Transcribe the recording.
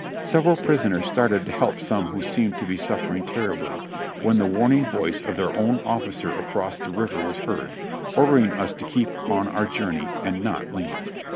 Several prisoners started to help some who seemed to be suffer ing terribly, when the warning voice of their own officer across the river was heard, ordering us to keep on our journey and not linger.